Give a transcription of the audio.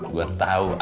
gue tahu apa